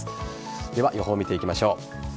では、予報を見ていきましょう。